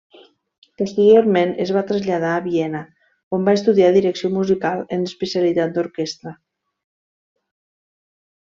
Posteriorment es va traslladar a Viena, on va estudiar direcció musical en l'especialitat d'orquestra.